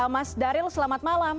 mas daril selamat malam